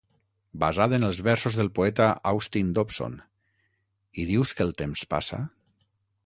Basat en els versos del poeta Austin Dobson: "I dius que el temps passa?".